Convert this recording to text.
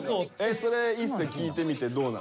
それ一世聴いてみてどうなの？